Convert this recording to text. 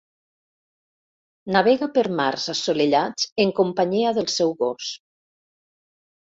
Navega per mars assolellats en companyia del seu gos.